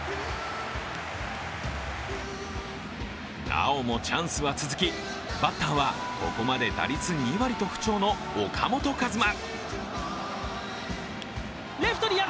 なおもチャンスは続き、バッターはここまで打率２割と不調の岡本和真。